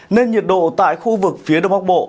nên nhiệt độ tại khu vực phía đông bắc bộ